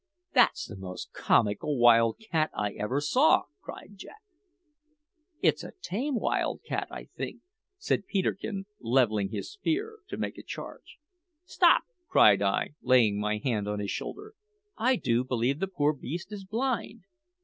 "That's the most comical wild cat I ever saw!" cried Jack. "It's a tame wild cat, I think," said Peterkin, levelling his spear to make a charge. "Stop!" cried I, laying my hand on his shoulder. "I do believe the poor beast is blind.